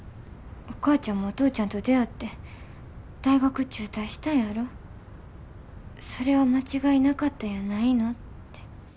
お母ちゃんもお父ちゃんと出会って大学中退したんやろそれは間違いなかったんやないのって。